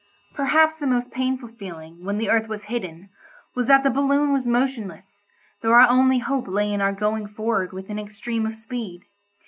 Perhaps the most painful feeling when the earth was hidden was that the balloon was motionless, though our only hope lay in our going forward with an extreme of speed.